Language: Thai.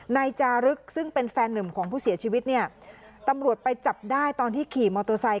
นายจารึกซึ่งเป็นแฟนหนุ่มของผู้เสียชีวิตเนี่ยตำรวจไปจับได้ตอนที่ขี่มอเตอร์ไซค